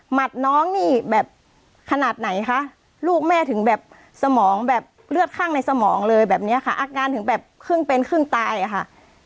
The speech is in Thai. น้องนี่แบบขนาดไหนคะลูกแม่ถึงแบบสมองแบบเลือดข้างในสมองเลยแบบนี้ค่ะอาการถึงแบบครึ่งเป็นครึ่งตายอะค่ะ